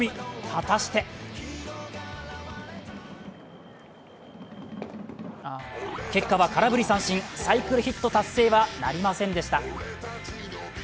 果たして結果は空振り三振サイクルヒット達成はなりませんでした。